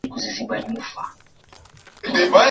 Tarakilishi yangu.